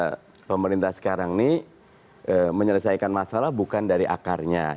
kami melihatnya masih sama pemerintah sekarang ini menyelesaikan masalah bukan dari akarnya